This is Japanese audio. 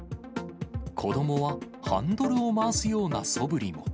子どもはハンドルを回すようなそぶりも。